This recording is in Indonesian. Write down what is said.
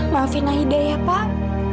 maafin ahida ya pak